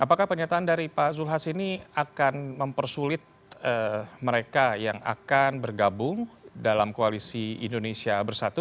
apakah pernyataan dari pak zulhas ini akan mempersulit mereka yang akan bergabung dalam koalisi indonesia bersatu